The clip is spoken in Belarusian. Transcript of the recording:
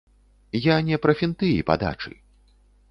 Я не пра фінты і падачы.